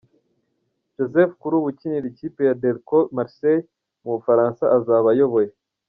Joseph kuri ubu ukinira ikipe ya Delko Marseille mu Bufaransa, azaba ayoboye